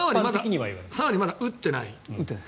３割まだ打ってない。